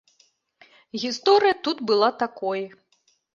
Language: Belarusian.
Гісторыя тут была такой.